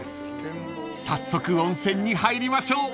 ［早速温泉に入りましょう］